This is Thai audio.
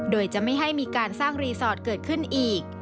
โดยจะไม่ให้มีการสร้างรีสอร์ทเกิดขึ้นอีก